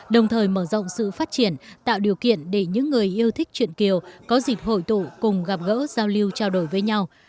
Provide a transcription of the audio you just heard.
đồng thời mở rộng sự phát triển tạo điều kiện để những người yêu thích truyện kiều có dịp hội tụ cùng gặp gỡ giao lưu trao đổi với nhau